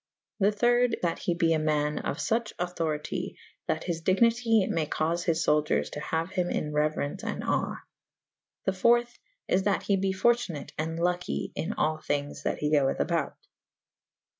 The thyrde that he be a ma« of fuche auctority : that his dignity maye [D viii a] caufe his fouldiers to haue hym in reuerence & awe. The fourth is that he be fortunate & lucky in all thyng^j' that he goeth about.